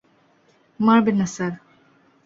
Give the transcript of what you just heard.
মারবেন না, স্যার।